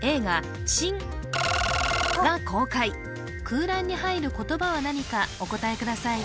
空欄に入る言葉は何かお答えください